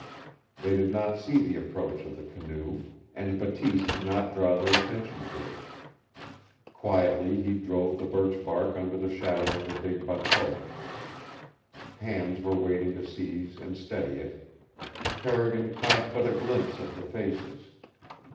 They did not see the approach of the canoe, and Bateese did not draw their attention to it. Quietly he drove the birchbark under the shadow of the big bateau. Hands were waiting to seize and steady it. Carrigan caught but a glimpse of the faces.